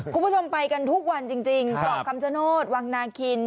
คุณผู้ชมไปกันทุกวันจริงเกาะคำชโนธวังนาคิน